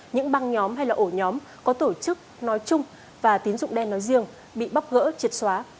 những băng nhóm hay là ổ nhóm có tổ chức nói chung và tín dụng đen nói riêng bị bóc gỡ triệt xóa